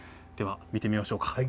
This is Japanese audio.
では見てみましょうか。